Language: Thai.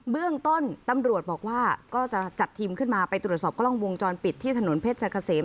เบื้องต้นตำรวจบอกว่าก็จะจัดทีมขึ้นมาไปตรวจสอบกล้องวงจรปิดที่ถนนเพชรกะเสม